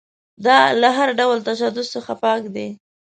دا له هر ډول تشدد څخه پاک دی.